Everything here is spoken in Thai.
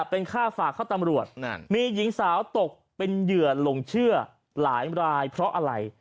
เป็นค่าฝากเข้าตำรวจมีหญิงสาวตกเป็นเหยื่อหลงเชื่อหลายรายเพราะอะไร